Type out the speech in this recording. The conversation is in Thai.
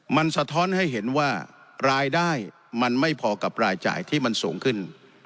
มันสะท้อนให้เห็นว่ารายได้มันไม่พอกับรายจ่ายที่มันสูงขึ้น